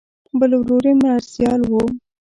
بل ورور یې مرستیال و.